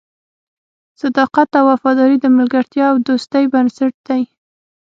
صداقت او وفاداري د ملګرتیا او دوستۍ بنسټ دی.